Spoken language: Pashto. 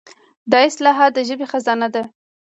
دا اصطلاحات د ژبې خزانه ده.